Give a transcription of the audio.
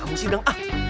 kamu sih dang